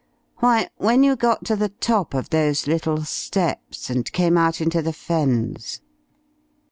"Why, when you got to the top of those little steps and came out into the Fens."